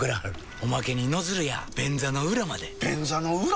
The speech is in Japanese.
おまけにノズルや便座の裏まで便座の裏？